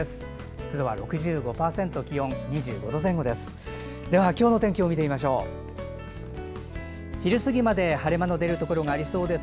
湿度は６５％気温は２５度前後です。